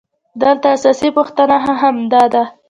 دلته اساسي پوښتنه هم همدا ده